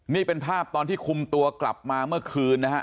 นี่เป็นภาพตอนที่คุมตัวกลับมาเมื่อคืนนะฮะ